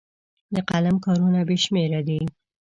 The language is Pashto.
د قلم کارونه بې شمېره دي.